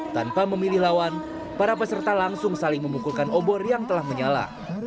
tanpa memilih lawan para peserta langsung saling memukulkan obor yang telah menyala